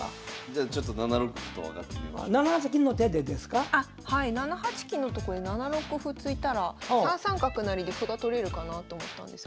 あはい７八金のとこで７六歩突いたら３三角成で歩が取れるかなと思ったんですけど。